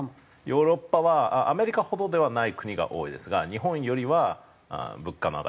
ヨーロッパはアメリカほどではない国が多いですが日本よりは物価の上がり方はすごいですね。